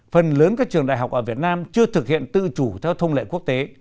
phần lớn các trường đại học ở việt nam chưa thực hiện tự chủ theo thông lệ quốc tế